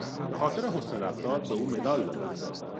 به خاطر حسن رفتار به او مدال دادند.